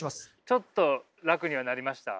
ちょっと楽にはなりました？